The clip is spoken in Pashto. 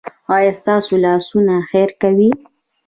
ایا ستاسو لاسونه خیر کوي؟